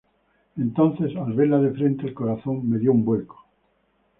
entonces, al verla de frente, el corazón me dió un vuelco.